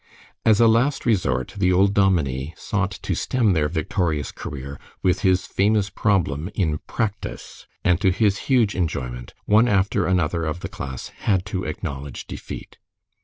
As a last resort the old dominie sought to stem their victorious career with his famous problem in Practice, and to his huge enjoyment, one after another of the class had to acknowledge defeat.